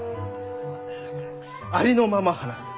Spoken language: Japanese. ありのまま話す。